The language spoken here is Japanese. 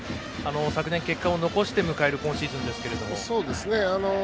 昨年結果を残して迎える今シーズンですが。